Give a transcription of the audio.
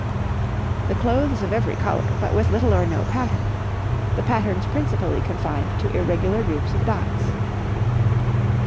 The clothes of every colour, but with little or no pattern; the patterns principally confined to irregular groups of dots.